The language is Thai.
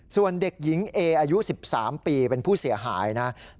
ส่วนเด็กหญิงเออายุ๑๓ปีเป็นผู้เสียหายนะครับ